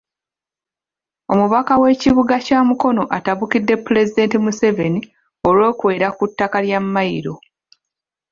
Omubaka w’ekibuga kya Mukono atabukidde Pulezidenti Museveni olw’okwera ku ttaka lya Mayiro.